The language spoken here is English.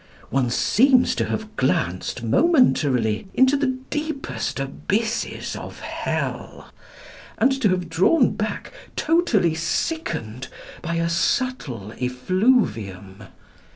One seems to have glanced momentarily into the deepest abysses of hell, and to have drawn back totally sickened by a subtle effluvium.